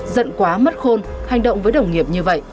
giận quá mất khôn hành động với đồng nghiệp như vậy